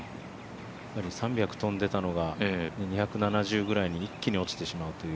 ３００飛んでたのが、２７０ぐらいに一気に落ちてしまうという。